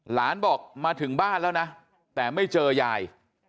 หลานบอกมาถึงบ้านแล้วนะแต่ไม่เจอยาย